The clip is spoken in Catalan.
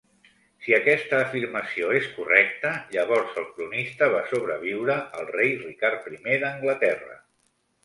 Si aquesta afirmació és correcta, llavors el cronista va sobreviure al rei Ricard I d'Anglaterra.